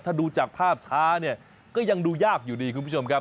ถ้าดูจากภาพช้าเนี่ยก็ยังดูยากอยู่ดีคุณผู้ชมครับ